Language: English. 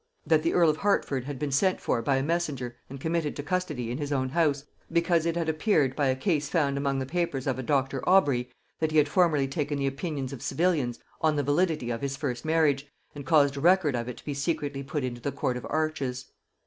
That the earl of Hertford had been sent for by a messenger and committed to custody in his own house, because it had appeared by a case found among the papers of a Dr. Aubrey, that he had formerly taken the opinions of civilians on the validity of his first marriage, and caused a record of it to be secretly put into the court of Arches.